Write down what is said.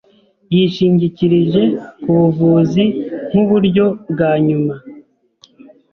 Yishingikirije ku buvuzi nk'uburyo bwa nyuma.